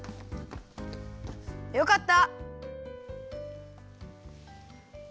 よかった。